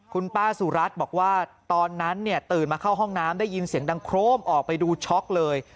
คุณป้าสุรัตน์บอกว่าตอนนั้นเนี่ยตื่นมาเข้าห้องน้ำได้ยินเสียงดังโครมออกไปดูช็อกเลย